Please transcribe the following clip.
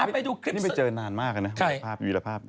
อ้าวไปดูคลิปนี่ไปเจอนานมากนะวีรภาพ